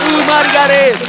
hidup ratu margaret